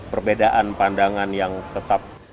perbedaan pandangan yang tetap